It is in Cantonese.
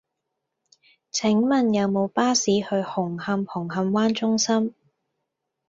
請問有無巴士去紅磡紅磡灣中心